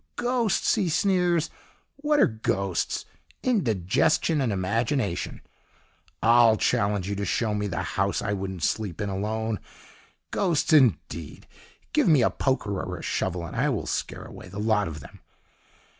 "Ghosts," he sneers, "what are ghosts? Indigestion and imagination! I'll challenge you to show me the house I wouldn't sleep in alone! Ghosts indeed! Give me a poker or a shovel and I will scare away the lot of them."